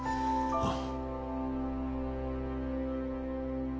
ああ。